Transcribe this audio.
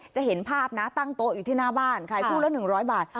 จะเห็นภาพนะตั้งโต๊ะอยู่ที่หน้าบ้านขายคู่ละ๑๐๐บาท